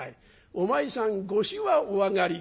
「お前さんご酒はお上がりか？」。